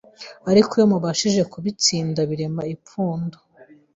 ariko iyo mubashije kubitsinda, birema ipfundo